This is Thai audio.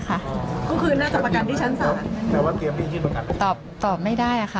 ก็คือนะจ๊ะประกันที่ชั้นศาสตร์แปลว่าตอบไม่ได้อ่ะค่ะ